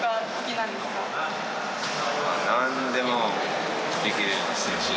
なんでもできる選手。